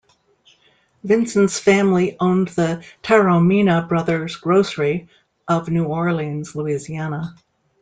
Vincent's family owned the "Taromina Brothers Grocery" of New Orleans, Louisiana.